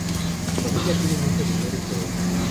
Su familia tiene mucho dinero y poder.